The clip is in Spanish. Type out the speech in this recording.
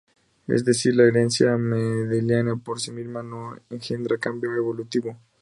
Es decir, la herencia mendeliana, por sí misma, no engendra cambio evolutivo.